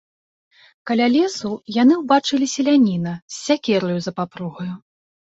Каля лесу яны ўбачылі селяніна з сякераю за папругаю.